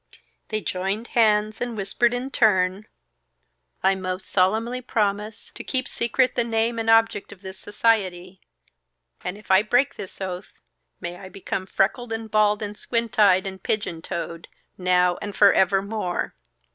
They joined hands and whispered in turn: "I most solemnly promise to keep secret the name and object of this society; and if I break this oath, may I become freckled and bald and squint eyed and pigeon toed, now and forever more."